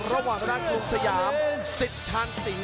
ระหว่างธนาคลุมสยามสิทธิ์ชาญสิงห์